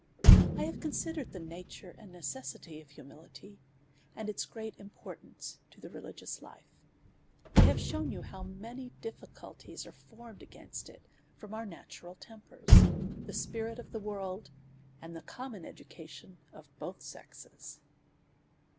I have considered the nature and necessity of humi lity ;, and its great importance to a rehgious hfe. I have shewn you how many difficulties are formed against it from our natural tempers^ the spirit of the worlds and the common education of both sexes.